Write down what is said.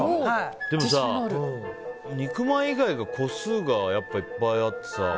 でも肉まん以外が個数がいっぱいあってさ。